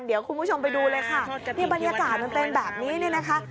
เดี๋ยวคุณผู้ชมไปดูเลยค่ะนี่บรรยากาศมันเป็นแบบนี้เนี่ยนะคะ